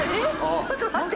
ちょっと待って。